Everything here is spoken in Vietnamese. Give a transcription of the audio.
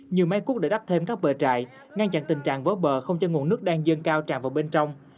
nhiều máy cút để đắp thêm các bờ trại ngăn chặn tình trạng vớt bờ không cho nguồn nước đang dâng cao tràn vào bên trong